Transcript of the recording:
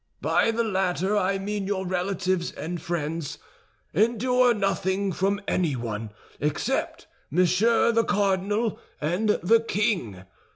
By the latter I mean your relatives and friends. Endure nothing from anyone except Monsieur the Cardinal and the king.